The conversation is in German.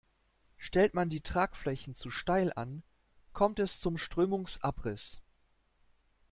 Stellt man die Tragflächen zu steil an, kommt es zum Strömungsabriss.